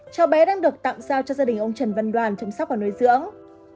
cháu bé đang được tặng giao cho gia đình ông trần văn đoàn chăm sóc và nuôi dưỡng